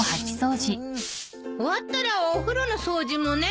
終わったらお風呂の掃除もね。